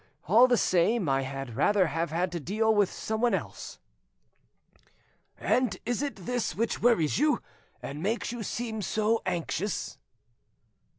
All the same, I had rather have had to deal with someone else." "And is it this which worries you, and makes you seem so anxious?"